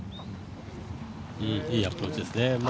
いいアプローチですね。